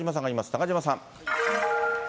中島さん。